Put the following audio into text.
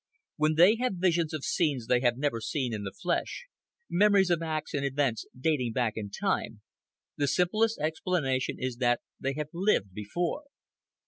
When they have visions of scenes they have never seen in the flesh, memories of acts and events dating back in time, the simplest explanation is that they have lived before.